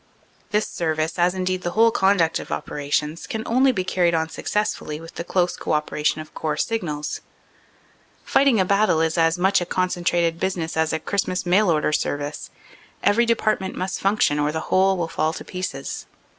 This service, as indeed the whole conduct of operations, can only be carried on successfully with the close co operation of Corps Signals. Fighting a battle is as much a concen trated business as a Christmas mail order service. Every department must function or the whole will fall to pieces.